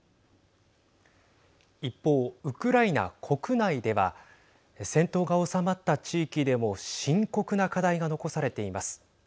一方、ウクライナ国内では戦闘が収まった地域でも深刻な課題が残されています。